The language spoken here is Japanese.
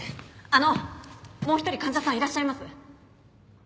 あのもう一人患者さんいらっしゃいます。